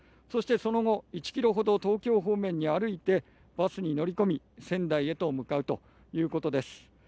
そして、その後１ｋｍほど東京方面に歩いてバスに乗り込み仙台へと向かうということです。